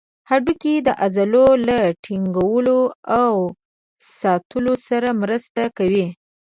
هډوکي د عضلو له ټینګولو او ساتلو سره مرسته کوي.